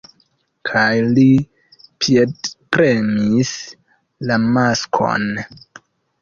kaj li piedpremis la maskon.